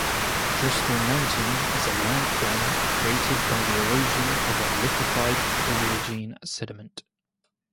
Driskill Mountain is a landform created by the erosion of unlithified Paleogene sediment.